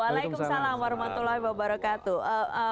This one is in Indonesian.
waalaikumsalam warahmatullahi wabarakatuh